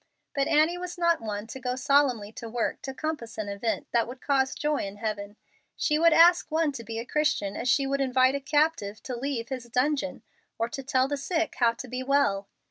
But Annie was not one to go solemnly to work to compass an event that would cause joy in heaven. She would ask one to be a Christian as she would invite a captive to leave his dungeon, or tell the sick how to be well.